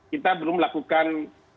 kita belum melakukan